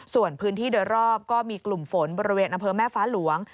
ส่วนพื้นที่โดยรอบก็มีกลุ่มฝนบริเวณอำเภอแม่ฟ้าหลวง